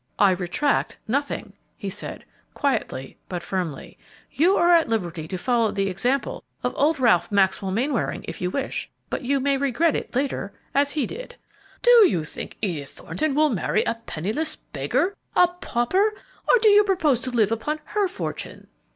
"I retract nothing," he said, quietly but firmly. "You are at liberty to follow the example of old Ralph Maxwell Mainwaring if you wish, but you may regret it later, as he did." "And do you think Edith Thornton will marry a penniless beggar, a pauper? Or do you propose to live upon her fortune?"